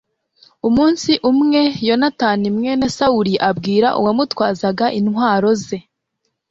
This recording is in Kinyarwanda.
umunsi umwe, yonatani mwene sawuli abwira uwamutwazaga intwaro ze